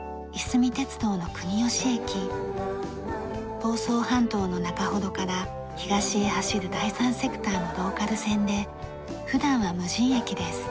房総半島のなかほどから東へ走る第三セクターのローカル線で普段は無人駅です。